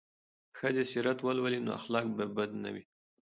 که ښځې سیرت ولولي نو اخلاق به بد نه وي.